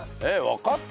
わかった？